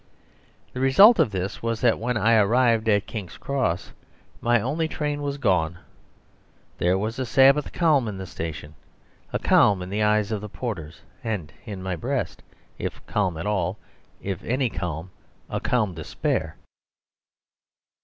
The result of this was that when I arrived at King's Cross my only train was gone; there was a Sabbath calm in the station, a calm in the eyes of the porters, and in my breast, if calm at all, if any calm, a calm despair.